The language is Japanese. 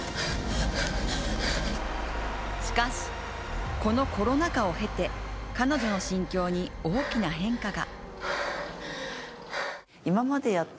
しかし、このコロナ禍を経て、彼女の心境に大きな変化が。